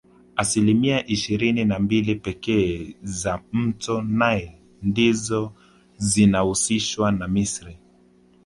Asilimia ishirini na mbili pekee za mto nile ndizo zinahusishwa na misri